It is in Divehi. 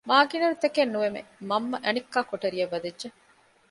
މާގިނައިރު ތަކެއް ނުވެ މަންމަ އަނެއްކާ ކޮޓަރިއަށް ވަދެއްޖެ